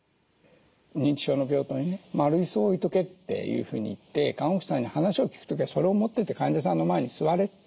認知症の病棟にね丸椅子を置いとけっていうふうに言って看護師さんに話を聴く時はそれを持って行って患者さんの前に座れって。